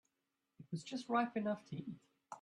It was just ripe enough to eat.